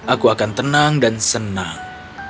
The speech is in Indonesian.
aku akan tenang dan senang